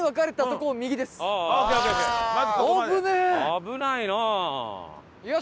危ないな。